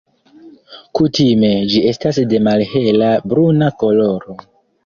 Kutime ĝi estas de malhela bruna koloro.